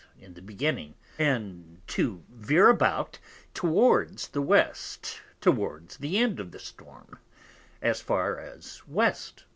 in the beginning, and to veer about towards the West towards the End of the Storm, as far as W.S.